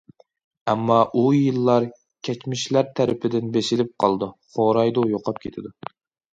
ئەمما، ئۇ يىللار، كەچمىشلەر تەرىپىدىن بېسىلىپ قالىدۇ، خورايدۇ، يوقاپ كېتىدۇ.